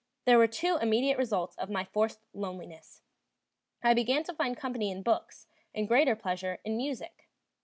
There were two immediate results of my forced loneliness: I began to find company in books, and greater pleasure in music.